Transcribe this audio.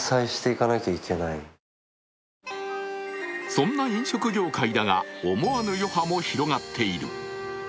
そんな飲食業界だが思わぬ余波も広がっている。